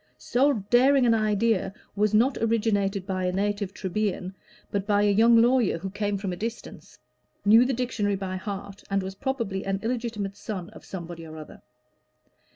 So daring an idea was not originated by a native Trebian, but by a young lawyer who came from a distance, knew the dictionary by heart, and was probably an illegitimate son of somebody or other.